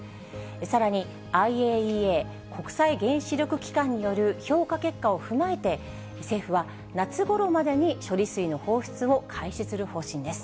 さらに、ＩＡＥＡ・国際原子力機関による評価結果を踏まえて、政府は夏ごろまでに処理水の放出を開始する方針です。